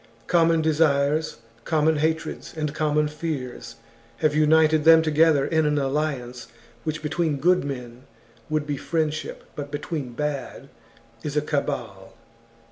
Common desires, common hatreds, and common fears, have united them together in an alliance which between good men would be friendship, but between bad is a cabal.